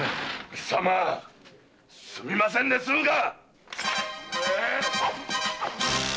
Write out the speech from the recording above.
貴様「すみません」ですむか！